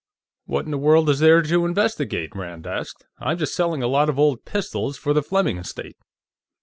"What in the world is there to investigate?" Rand asked. "I'm just selling a lot of old pistols for the Fleming estate."